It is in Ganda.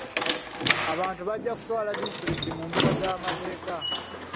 Abantu bajja kutwala disitulikiti mu mbuga z'amateeka.